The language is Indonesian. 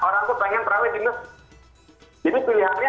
orang tuh pengen terawih di masjid jadi pilihannya